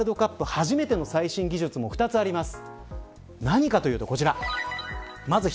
初めての最新技術も２つあります。